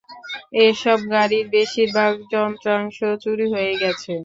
এসব গাড়ির বেশির ভাগ যন্ত্রাংশ চুরি হয়ে গেছে।